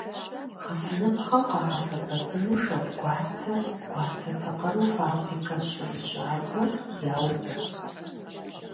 Гъэсыныпхъэу къагъэсэбэпыну шэдгуарцэр гуарцэ тыкъыру фабрикэм щызыщагуэ, яубэ.